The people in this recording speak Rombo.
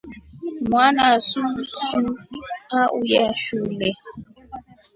Mwanasu su auya shule.